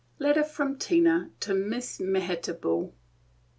LETTER FROM TINA TO MISS MEHITABLE.